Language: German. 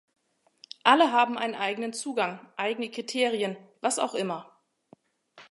Alle haben einen eigenen Zugang, eigene Kriterien, was auch immer.